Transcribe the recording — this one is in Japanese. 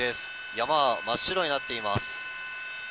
山は真っ白になっています。